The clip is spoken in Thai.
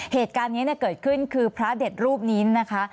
เหตุการณ์นี้เกิดขึ้นคือพระเด็ดรูปนี้นะคะ